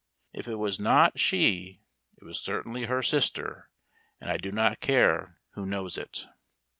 If it was not she it was certainly her sister, and I do not care who knows it.